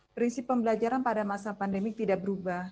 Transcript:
prinsip pembelajaran pada masa pandemi tidak berubah